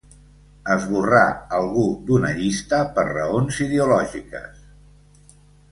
Esborrar algú d'una llista per raons ideològiques.